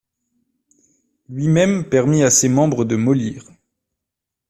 Lui-même permit à ses membres de mollir.